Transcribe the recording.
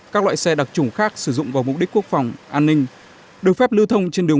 các loại xe đặc trùng khác sử dụng vào mục đích quốc phòng an ninh được phép lưu thông trên đường